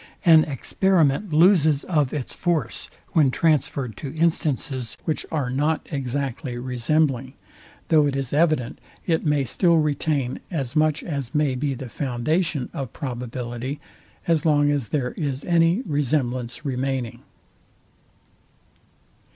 An experiment loses of its force, when transferred to instances, which are not exactly resembling; though it is evident it may still retain as much as may be the foundation of probability, as long as there is any resemblance remaining.